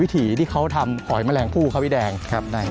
วิธีที่เขาทำหอยแมลงผู้ครับพี่แดงครับได้